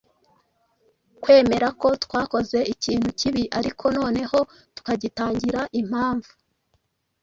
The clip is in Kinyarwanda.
Kwemera ko twakoze ikintu kibi ariko noneho tukagitangira impamvu,